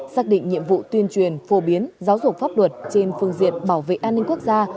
xác định nhiệm vụ tuyên truyền phổ biến giáo dục pháp luật trên phương diện bảo vệ an ninh quốc gia